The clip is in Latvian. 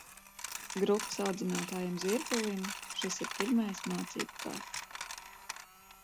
Grupas audzinātājam Zvirbulim šis ir pirmais mācību gads.